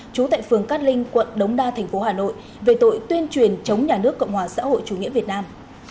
trú tại phường cát linh quận đống đa tp hà nội về tội tuyên truyền chống nhà nước cộng hòa xã hội chủ nghĩa việt nam